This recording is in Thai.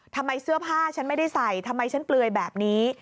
ทำไมเสื้อผ้าฉันไม่ได้ใส่ทำไมฉันเปลือยแบบนี้